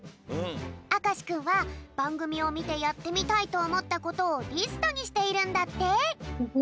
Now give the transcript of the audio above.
あかしくんはばんぐみをみてやってみたいとおもったことをリストにしているんだって！